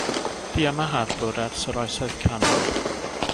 Bu yma harbwr ers yr Oesoedd Canol.